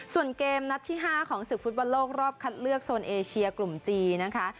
ส่วนเกมนัดที่๕ของศึกฟุตบอลโลกรอบคัดเลือกโซนเอเชียกลุ่มจีนนะคะ